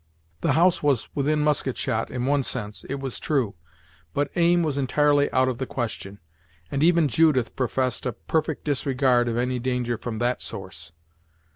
The house was within musket shot in one sense, it was true, but aim was entirely out of the question, and even Judith professed a perfect disregard of any danger from that source.